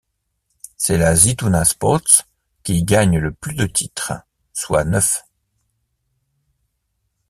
C'est la Zitouna Sports qui gagne le plus de titres, soit neuf.